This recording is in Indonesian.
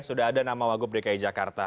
sudah ada nama wagub dki jakarta